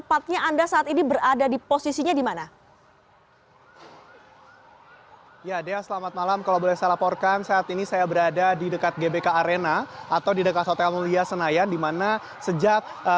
pada posisinya di mana